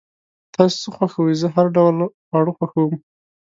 تاسو څه خوښوئ؟ زه هر ډوله خواړه خوښوم